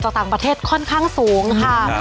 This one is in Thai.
จากต่างประเทศค่อนข้างสูงค่ะ